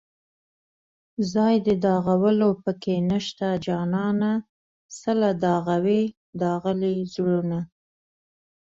ځای د داغلو په کې نشته جانانه څله داغوې داغلي زړونه